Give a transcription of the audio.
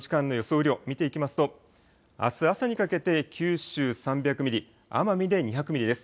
雨量見ていきますと、あす朝にかけて九州３００ミリ、奄美で２００ミリです。